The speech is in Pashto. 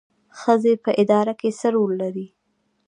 ښځې په اداره کې څه رول لري؟